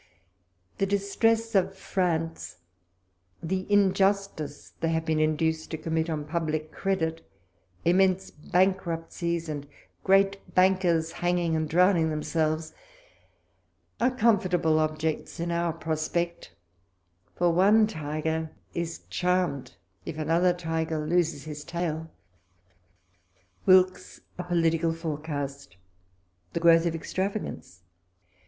The distress of France, the injustice they have been induced to commit on pul:)lic credit, immense bankruptcies, and great bankers hanging and drowning them selves, are comfortable objects in our prospect ; for one tiger is charmed if another tiger loses his tail. ... WILKES— A POLITICAL FOBECAST—THE GROWTH OF EXTRAVAGAyCE.